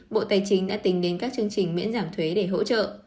bộ tài chính đã tính đến các chương trình miễn giảm thuế để hỗ trợ